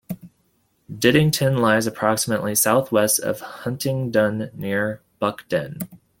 Diddington lies approximately south-west of Huntingdon, near to Buckden.